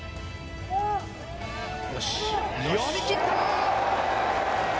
読み切った！